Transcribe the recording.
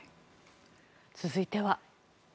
続いては。